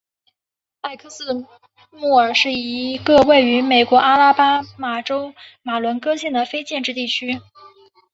埃克斯莫尔是一个位于美国阿拉巴马州马伦戈县的非建制地区。